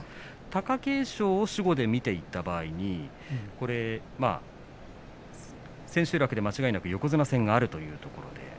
貴景勝を主語で見ていった場合千秋楽で間違いなく横綱戦があるということで。